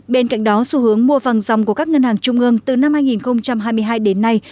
bên cạnh đó xu hướng mua vàng dòng của các ngân hàng trung ương từ năm hai nghìn hai mươi hai đến nay